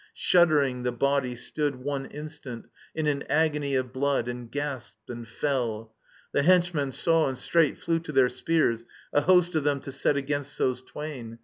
Shuddering the body stood One instant in an agony of blood, And gasped and felL The henchmen saw, and straight Flew to their spears, a host of them to set Against those twain.